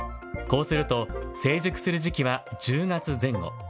こうすると、成熟する時期は１０月前後。